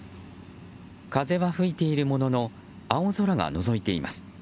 風は吹いているものの青空がのぞいています。